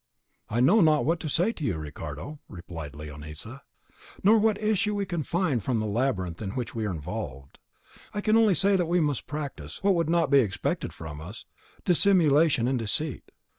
"I know not what to say to you, Ricardo," replied Leonisa, "nor what issue we can find from the labyrinth in which we are involved. I can only say that we must practise, what would not be expected from us, dissimulation and deceit.